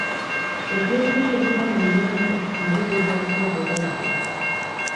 Ebyokulya ebiva mu nnyanja nabyo bivaako obulwadde.